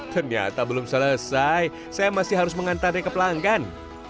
ternyata belum selesai saya masih harus mengantarnya ke pelanggan